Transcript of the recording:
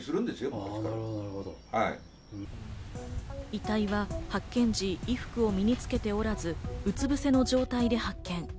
遺体は発見時、衣服を身につけておらず、うつぶせの状態で発見。